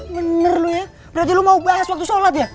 bener lu ya berarti lo mau bahas waktu sholat ya